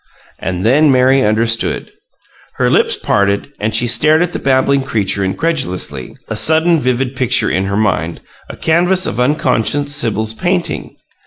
And then Mary understood. Her lips parted and she stared at the babbling creature incredulously, a sudden vivid picture in her mind, a canvas of unconscious Sibyl's painting.